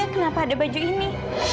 kenapa ada baju ini